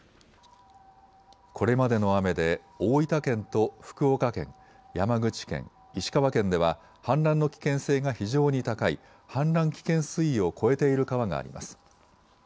これまでの雨で大分県と福岡県、山口県、石川県では氾濫の危険性が非常に高い氾濫危険水位を超えている川があります。